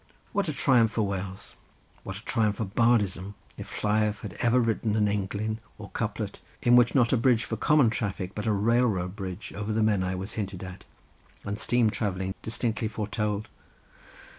What a triumph for Wales; what a triumph for bardism, if Lleiaf had ever written an englyn, or couplet, in which not a bridge for common traffic, but a railroad bridge over the Menai was hinted at, and steam travelling distinctly foretold!